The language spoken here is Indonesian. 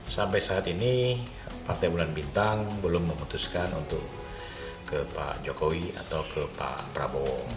sampai saat ini partai bulan bintang belum memutuskan untuk ke pak jokowi atau ke pak prabowo